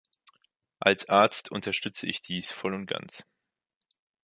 Als Arzt unterstütze ich dies voll und ganz.